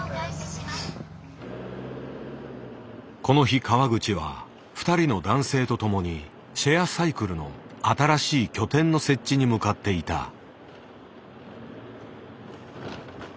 この日川口は２人の男性と共にシェアサイクルの新しい拠点の設置に向かっていた。